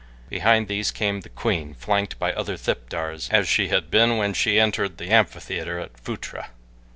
Behind these came the queen, flanked by other thipdars as she had been when she entered the amphitheater at Phutra.